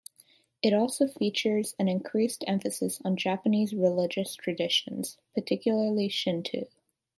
It also features an increased emphasis on Japanese religious traditions, particularly Shinto.